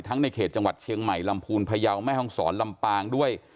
ในเขตจังหวัดเชียงใหม่ลำพูนพยาวแม่ห้องศรลำปางด้วย